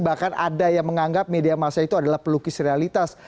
bahkan ada yang menganggap media masa itu adalah pelukis realitas